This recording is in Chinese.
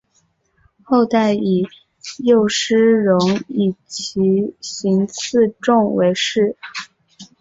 后代以右师戊以其行次仲为氏。